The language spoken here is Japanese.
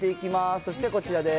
そしてこちらです。